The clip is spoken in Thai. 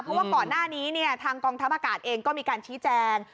เพราะว่าก่อนหน้านี้ทางกองทัพอากาศเองก็มีการชี้แจง